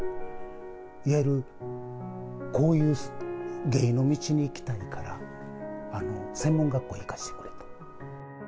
いわゆるこういう芸の道に行きたいから、専門学校行かせてくれと。